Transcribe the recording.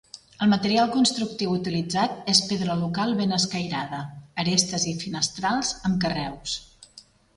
El material constructiu utilitzat és pedra local ben escairada; arestes i finestrals amb carreus.